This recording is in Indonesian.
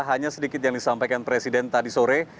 hanya sedikit yang disampaikan presiden tadi sore